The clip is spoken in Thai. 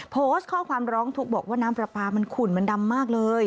โพสต์ข้อความร้องทุกข์บอกว่าน้ำปลาปลามันขุ่นมันดำมากเลย